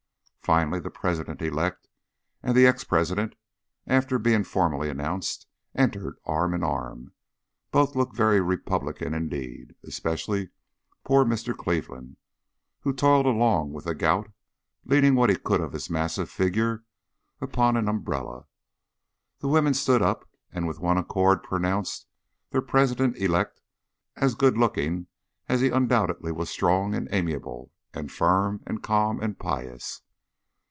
Finally the President elect and the ex President, after being formally announced, entered arm in arm. Both looked very Republican indeed, especially poor Mr. Cleveland, who toiled along with the gout, leaning what he could of his massive figure upon an umbrella. The women stood up, and with one accord pronounced their President elect as good looking as he undoubtedly was strong and amiable and firm and calm and pious.